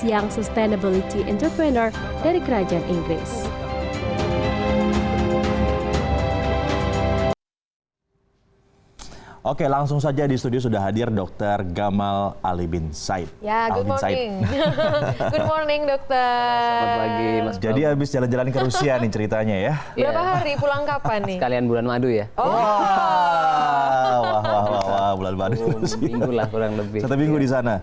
yang sustainability entrepreneur dari kerajaan inggris